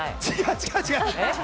違う違う。